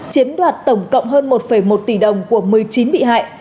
chiếm đoạt tổng cộng hơn một một tỷ đồng của một mươi chín bị hại